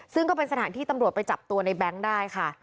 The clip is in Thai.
ซึ่งก็เป็นสถานที่ตำรวจไปจับตัวในแบงค์ได้ค่ะ